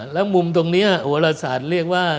แล้วมุมตรงนี้โหลศาสตร์เรียกว่า